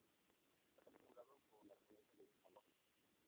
Más tarde fue nombrado por la isla japonesa de Awaji.